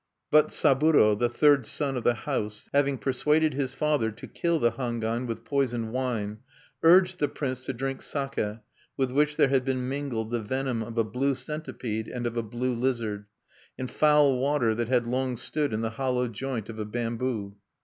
But Saburo, the third son of the house, having persuaded his father to kill the Hangwan with poisoned wine, urged the prince to drink sake with which there had been mingled the venom of a blue centipede and of a blue lizard, and foul water that had long stood in the hollow joint of a bamboo.